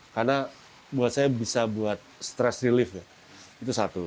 karena buat saya bisa buat stress relief itu satu